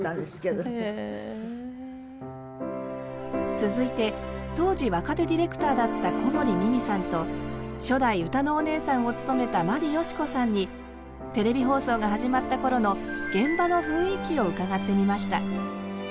続いて当時若手ディレクターだった小森美巳さんと初代歌のお姉さんを務めた眞理ヨシコさんにテレビ放送が始まった頃の現場の雰囲気を伺ってみました。